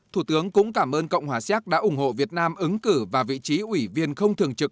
thủ tướng cũng cảm ơn cộng hòa xéc đã ủng hộ việt nam ứng cử và vị trí ủy viên không thường trực